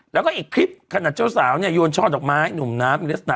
แล้วก็อีกคลิปขนาดเจ้าสาวเนี่ยโยนช่อดอกไม้หนุ่มน้ำ